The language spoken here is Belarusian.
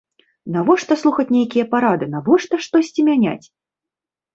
Навошта слухаць нейкія парады, навошта штосьці мяняць?